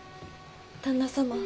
旦那様